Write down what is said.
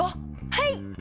はい！